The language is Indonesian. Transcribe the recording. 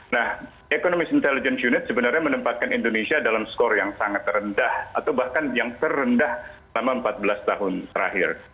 nah economic intelligence unit sebenarnya menempatkan indonesia dalam skor yang sangat rendah atau bahkan yang terendah selama empat belas tahun terakhir